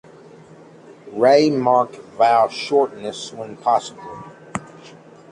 Ray marked vowel shortness when possible.